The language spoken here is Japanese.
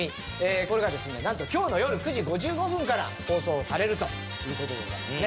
これがですねなんと今日の夜９時５５分から放送されるという事でございますね。